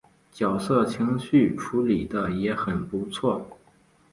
角色情绪处理的也很不错